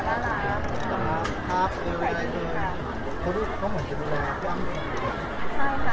เยอะจริงเหรอ